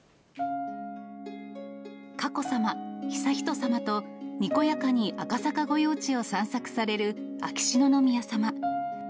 佳子さま、悠仁さまとにこやかに赤坂御用地を散策される、秋篠宮さま。